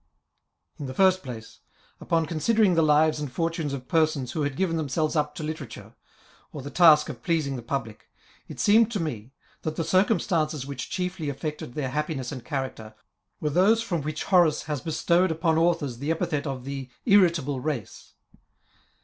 In the first place, upon considering the lives and for tunes of persons who had given themselves up to lite rature, or the task of pleasing the public^ it seemed to me, that the circumstances which chiefly aflected their happiness and character, were those from which Horace has bestowed upon authors the epithet of the Irritable Race.